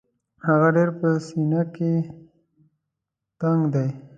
هغه ډېر په سینه کې تنګ دی.